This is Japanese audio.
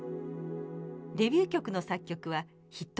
デビュー曲の作曲はヒットメーカー